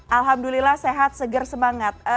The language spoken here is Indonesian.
alhamdulillah sehat seger semangat